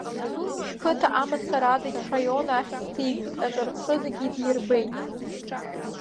Шәқыҭа амацара адагьы ҳраион ахьӡ ҭигеит, аҿырԥшы зегьы идирбеит…